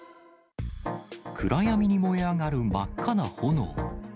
暗闇に燃え上がる真っ赤な炎。